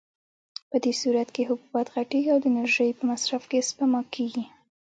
په دې صورت کې حبوبات غټېږي او د انرژۍ په مصرف کې سپما کېږي.